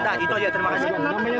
nah itu aja terima kasih